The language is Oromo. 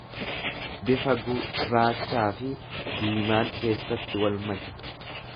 bifa gu rraachaafi diimaan keessatti wal make.